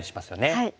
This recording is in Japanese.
はい。